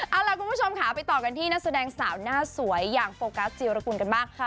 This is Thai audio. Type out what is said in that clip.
เอาล่ะคุณผู้ชมค่ะไปต่อกันที่นักแสดงสาวหน้าสวยอย่างโฟกัสจิรกุลกันบ้างค่ะ